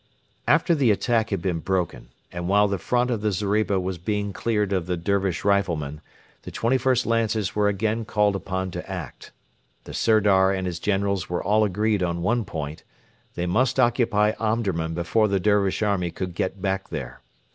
After the attack had been broken, and while the front of the zeriba was being cleared of the Dervish riflemen, the 21st Lancers were again called upon to act. The Sirdar and his generals were all agreed on one point. They must occupy Omdurman before the Dervish army could get back there.